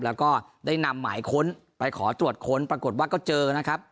แล้วก็ได้นำหมายค้นไปขอตรวจค้นปรากฏว่าก็เจอนะครับ